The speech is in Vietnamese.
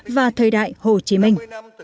và thời đại hồ chí minh